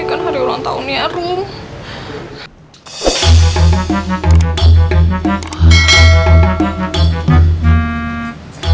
ini kan hari ulang tahun ya ruh